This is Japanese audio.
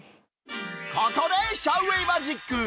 ここでシャウ・ウェイマジック。